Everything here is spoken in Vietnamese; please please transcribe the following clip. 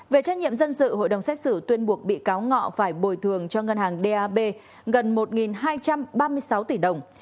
về trách nhiệm dân sự hội đồng xét xử tuyên buộc bị cáo ngọ phải bồi thường cho ngân hàng dap gần một hai trăm ba mươi sáu tỷ đồng